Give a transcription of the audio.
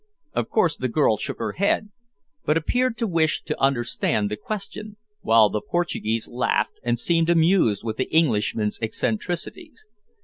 Of course the girl shook her head, but appeared to wish to understand the question, while the Portuguese laughed and seemed amused with the Englishman's eccentricities.